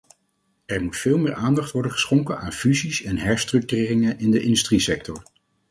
Er moet veel meer aandacht worden geschonken aan fusies en herstructureringen in de industriesector.